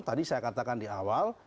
tadi saya katakan di awal